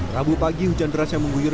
rabu pagi hujan beras yang menggunyur